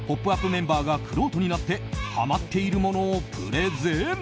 メンバーがくろうとになってハマっているものをプレゼン。